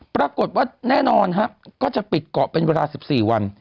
ปรากฏว่าแน่นอนก็จะปิดเกาะเป็นเวลา๑๔วัน